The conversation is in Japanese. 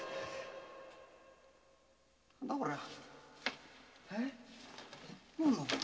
何だこりゃ？